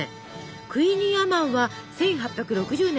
クイニーアマンは１８６０年